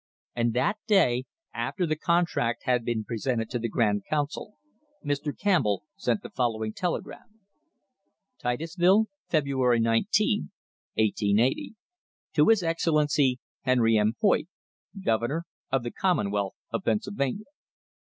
And that day, after the contract had been presented to the Grand Council, Mr. Campbell sent the following telegram : "Titusville, February 19, 1880. * To His Excellency Henry M. Hoyt, Governor of the Commonwealth of Pennsylvania.